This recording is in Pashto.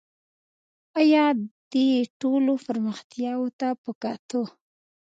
آیا دې ټولو پرمختیاوو ته په کتو